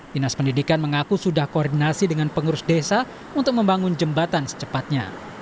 dinas pendidikan mengaku sudah koordinasi dengan pengurus desa untuk membangun jembatan secepatnya